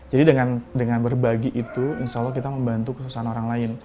dengan berbagi itu insya allah kita membantu kesusahan orang lain